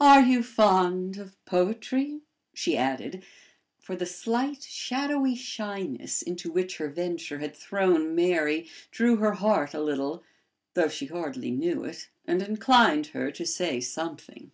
"Are you fond of poetry?" she added; for the slight, shadowy shyness, into which her venture had thrown Mary, drew her heart a little, though she hardly knew it, and inclined her to say something.